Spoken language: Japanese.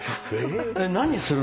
何するの？